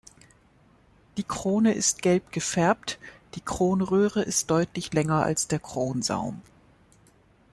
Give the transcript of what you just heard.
Die Krone ist gelb gefärbt, die Kronröhre ist deutlich länger als der Kronsaum.